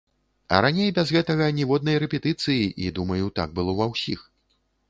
А раней без гэтага ніводнай рэпетыцыі, і, думаю, так было ва ўсіх.